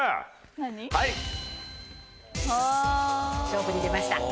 勝負に出ました。